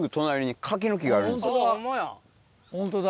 ホントだ。